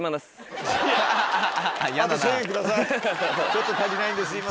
ちょっと足りないんですいません。